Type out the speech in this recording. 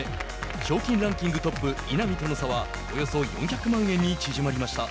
賞金ランキングトップ稲見との差はおよそ４００万円に縮まりました。